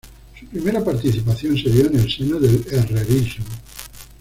Su primera participación se dio en el seno del herrerismo.